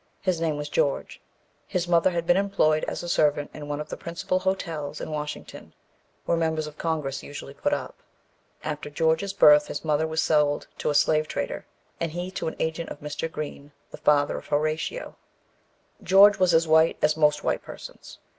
His name was George. His mother had been employed as a servant in one of the principal hotels in Washington, where members of Congress usually put up. After George's birth his mother was sold to a slave trader, and he to an agent of Mr. Green, the father of Horatio. George was as white as most white persons.